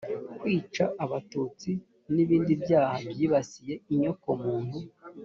kwica abatutsi n’ ibindi byaha byibasiye inyokomuntu